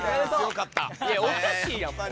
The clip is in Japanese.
いやおかしいやんもう。